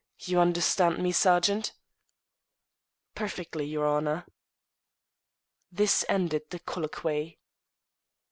You understand me, sergeant?" "Perfectly, your honour." This ended the colloquy.